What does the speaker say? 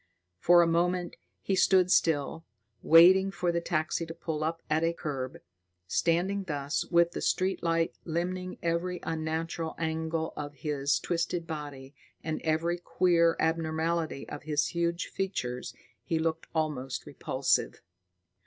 For a moment, he stood still, waiting for the taxi to pull up at the curb. Standing thus, with the street light limning every unnatural angle of his twisted body and every queer abnormality of his huge features, he looked almost repulsive.